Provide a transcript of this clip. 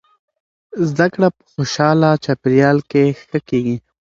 زده کړه په خوشحاله چاپیریال کې ښه کیږي.